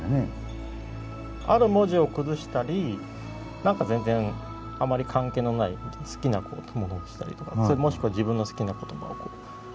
ある文字を崩したり何か全然あまり関係のない好きなものにしたりとかもしくは自分の好きな言葉を崩したりとか。